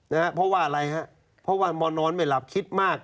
นะฮะเพราะว่าอะไรฮะเพราะว่านอนไม่หลับคิดมาก